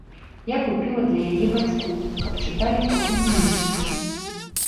Я купіла для яе бацькоў, каб чыталі потым унучцы.